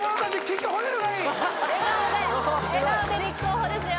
笑顔で笑顔で立候補ですよ